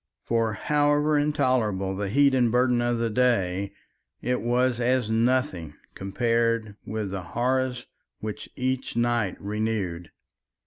For however intolerable the heat and burden of the day, it was as nothing compared with the horrors which each night renewed.